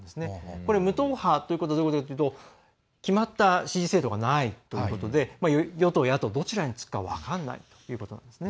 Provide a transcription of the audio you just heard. これ、無党派どういうことかというと決まった支持政党がないということで与党、野党、どちらにつくか分からないということなんですね。